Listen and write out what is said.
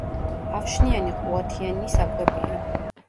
ავშნიანი ყუათიანი საკვებია.